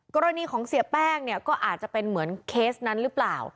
กรณีของเสียแป้งเนี่ยก็อาจจะเป็นเหมือนเคสนั้นหรือเปล่า